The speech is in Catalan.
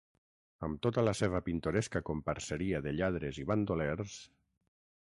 Amb tota la seva pintoresca comparseria de lladres i bandolers…